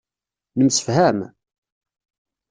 Nemsefham?